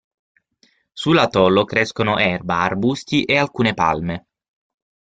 Sull'atollo crescono erba, arbusti e alcune palme.